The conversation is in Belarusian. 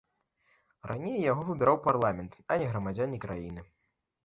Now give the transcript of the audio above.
Раней яго выбіраў парламент, а не грамадзяне краіны.